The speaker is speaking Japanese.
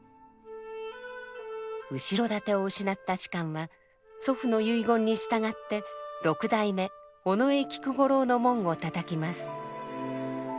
後ろ盾を失った芝は祖父の遺言に従って六代目尾上菊五郎の門を叩きます。